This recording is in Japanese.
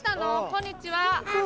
こんにちは。